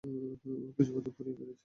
ওকে জীবন্ত পুড়িয়ে মেরেছে!